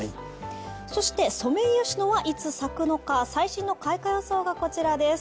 そしてソメイヨシノはいつ咲くのか最新の開花予想がこちらです。